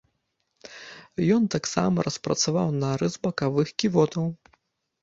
Ён таксама распрацаваў нарыс бакавых ківотаў.